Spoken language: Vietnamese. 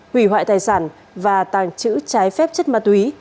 hủy hoại tài sản và tàng trữ trái phép chất ma túy